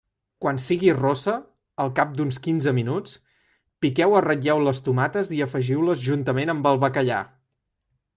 Quan sigui rossa, al cap d'uns quinze minuts, piqueu o ratlleu les tomates i afegiu-les juntament amb el bacallà.